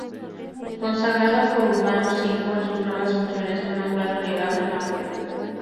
Consagrado por Urbano V en sus nuevas funciones, fue nombrado Legado en Nápoles.